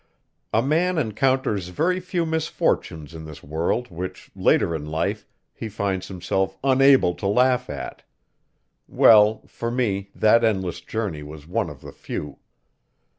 A man encounters very few misfortunes in this world which, later in life, he finds himself unable to laugh at; well, for me that endless journey was one of the few.